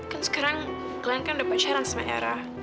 kan sekarang kalian kan udah pacaran sama erah